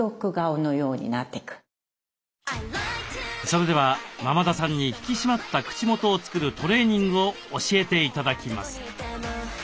それでは間々田さんに引き締まった口元を作るトレーニングを教えて頂きます。